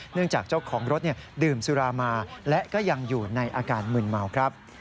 จากเจ้าของรถดื่มสุรามาและก็ยังอยู่ในอาการมึนเมาครับ